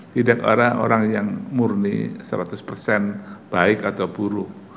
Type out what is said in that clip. tidak orang orang yang murni seratus baik atau buruk